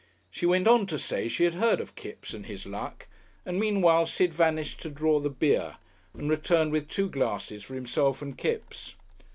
She went on to say she had heard of Kipps and his luck, and meanwhile Sid vanished to draw the beer, and returned with two glasses for himself and Kipps.